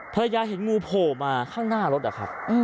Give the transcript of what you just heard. ภรรยาเห็นงูโผล่มาข้างหน้ารถอะครับ